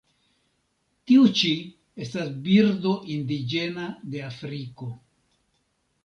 Tiu ĉi estas birdo indiĝena de Afriko.